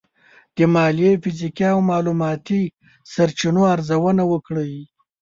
د مالي، فزیکي او معلوماتي سرچینو ارزونه وکړئ.